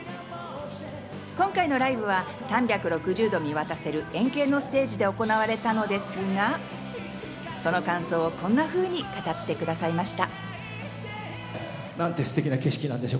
今回のライブは３６０度見渡せる、円形のステージで行われたのですが、その感想をこんなふうに語ってくださいました。